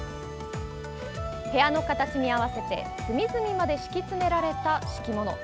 部屋の形に合わせて隅々まで敷き詰められた敷物。